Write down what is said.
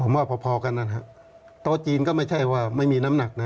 ผมว่าพอกันนะฮะโต๊ะจีนก็ไม่ใช่ว่าไม่มีน้ำหนักนะ